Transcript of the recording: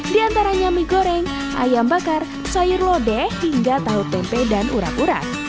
diantaranya mie goreng ayam bakar sayur lodeh hingga tahu tempe dan urak urat